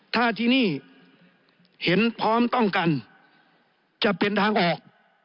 ถ้าที่นี่เห็นพร้อมต้องกันจะเป็นทางออก